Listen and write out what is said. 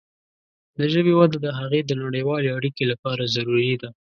د ژبې وده د هغې د نړیوالې اړیکې لپاره ضروري ده.